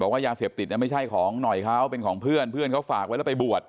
ว่ายาเสพติดไม่ใช่ของหน่อยเขาเป็นของเพื่อนเพื่อนเขาฝากไว้แล้วไปบวช